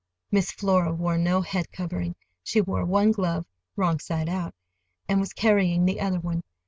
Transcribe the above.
Miss Flora wore no head covering. She wore one glove (wrong side out), and was carrying the other one.